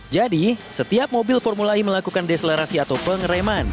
jadi setiap mobil formula e melakukan deselerasi atau pengereman